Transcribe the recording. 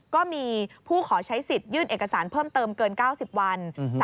ก็มีผู้ขอใช้สิทธิ์ยื่นเอกสารเพิ่มเติมเกิน๙๐วัน